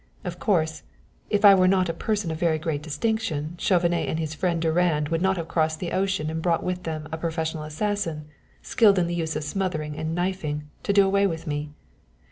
Of course, if I were not a person of very great distinction Chauvenet and his friend Durand would not have crossed the ocean and brought with them a professional assassin, skilled in the use of smothering and knifing, to do away with me.